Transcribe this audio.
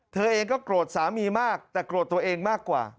เธอเองก็โกรธสามีมากแต่โกรธตัวเองมากกว่า